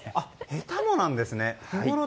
へたなんですね。